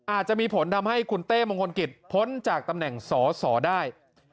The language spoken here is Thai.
อาจจะมีผลทำให้คุณเต้มงคลกิจพ้นจากตำแหน่งสอสอได้